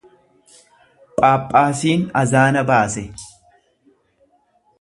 Phaaphaasiin azaana baase.